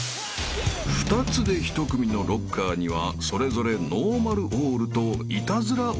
［２つで１組のロッカーにはそれぞれノーマルオールとイタズラオールが］